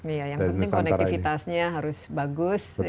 ya yang penting konektivitasnya harus bagus ya